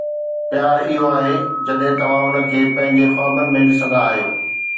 پيار اهو آهي جڏهن توهان ان کي پنهنجي خوابن ۾ ڏسندا آهيو.